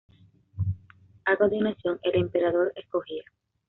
A continuación el emperador escogía.